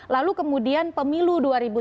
lalu kemudian pemilu dua ribu sembilan belas